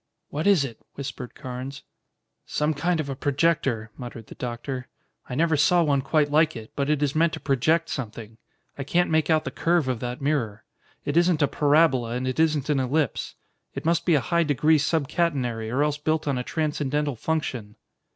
"What is it?" whispered Carnes. "Some kind of a projector," muttered the doctor. "I never saw one quite like it, but it is meant to project something. I can't make out the curve of that mirror. It isn't a parabola and it isn't an ellipse. It must be a high degree subcatenary or else built on a transcendental function."